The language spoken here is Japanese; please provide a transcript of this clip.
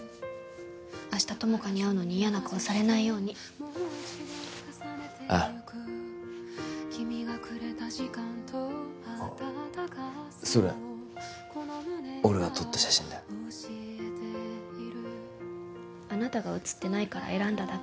明日友果に会うのに嫌な顔されないようにあああっそれ俺が撮った写真だあなたが写ってないから選んだだけ